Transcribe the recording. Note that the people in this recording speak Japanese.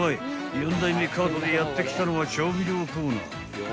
［４台目カートでやって来たのは調味料コーナー］